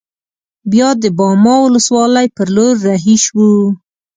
بیا د باما ولسوالۍ پر لور رهي شوو.